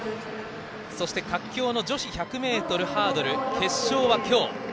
そして、活況の女子１００ｍハードル決勝は今日。